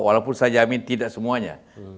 walaupun saya jamin tidak semuanya